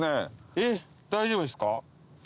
えっ大丈夫ですか？